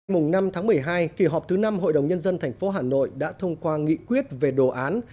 mùng năm tháng một mươi hai kỳ họp thứ năm hội đồng nhân dân tp hà nội đã thông qua nghị quyết về đồ án